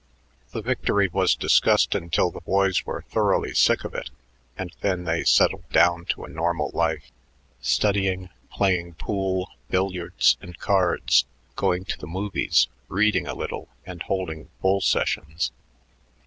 The victory was discussed until the boys were thoroughly sick of it, and then they settled down to a normal life, studying; playing pool, billiards, and cards; going to the movies, reading a little, and holding bull sessions.